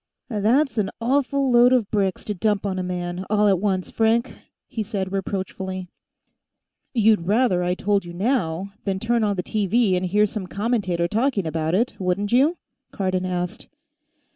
"That's an awful load of bricks to dump on a man, all at once, Frank," he said reproachfully. "You'd rather I told you, now, than turn on the TV and hear some commentator talking about it, wouldn't you?" Cardon asked.